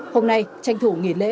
hôm nay tranh thủ nghỉ lễ